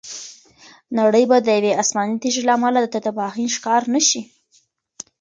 نړۍ به د یوې آسماني تیږې له امله د تباهۍ ښکار نه شي.